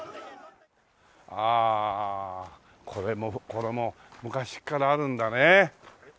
ああこれもこれも昔からあるんだね。